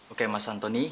oke mas santoni